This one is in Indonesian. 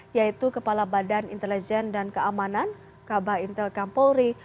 yaitu kepala badan intelijen dan keamanan kabah intelkam polri